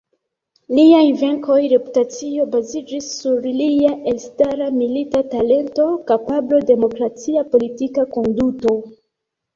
Liaj venkoj, reputacio baziĝis sur lia elstara milita talento, kapablo, demokratia politika konduto.